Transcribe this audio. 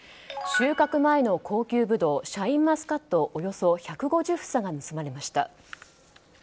収穫前の高級ブドウシャインマスカットおよそ１５０房が盗まれました。